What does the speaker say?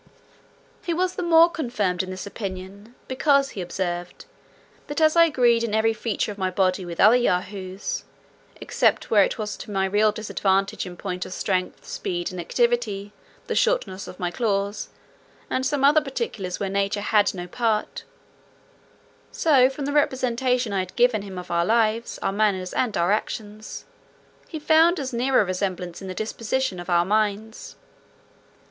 "He was the more confirmed in this opinion, because, he observed, that as I agreed in every feature of my body with other Yahoos, except where it was to my real disadvantage in point of strength, speed, and activity, the shortness of my claws, and some other particulars where nature had no part; so from the representation I had given him of our lives, our manners, and our actions, he found as near a resemblance in the disposition of our minds."